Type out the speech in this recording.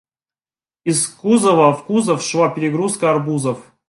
Из кузова в кузов шла перегрузка арбузов.